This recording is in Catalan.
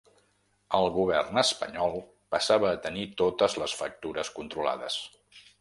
El govern espanyol passava a tenir totes les factures controlades.